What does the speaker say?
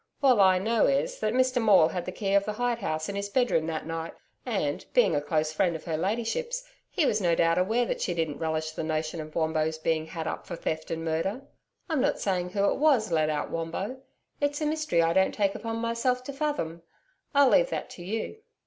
All I know is, that Mr Maule had the key of the hide house in his bedroom that night, and, being a close friend of her Ladyship's, he was no doubt aware that she didn't relish the notion of Wombo's being had up for theft and murder I'm not saying who it was let out Wombo. It's a mystery I don't take upon myself to fathom I'll leave that to you.'